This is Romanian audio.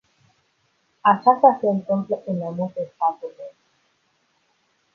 Aceasta se întâmplă în mai multe state membre.